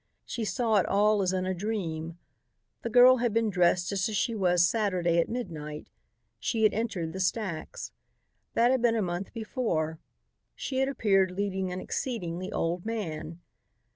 She saw it all as in a dream. The girl had been dressed just as she was Saturday at midnight. She had entered the stacks. That had been a month before. She had appeared leading an exceedingly old man.